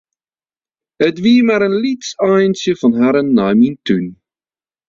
It wie mar in lyts eintsje fan harren nei myn tún.